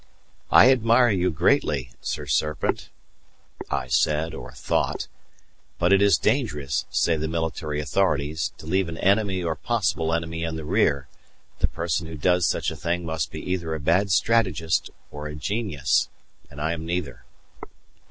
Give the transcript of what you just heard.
"I admire you greatly, Sir Serpent," I said, or thought, "but it is dangerous, say the military authorities, to leave an enemy or possible enemy in the rear; the person who does such a thing must be either a bad strategist or a genius, and I am neither."